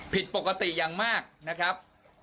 ผิดปกติอย่างมากนะครับ